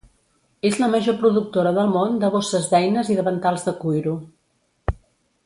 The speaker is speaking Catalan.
És la major productora del món de bosses d'eines i davantals de cuiro.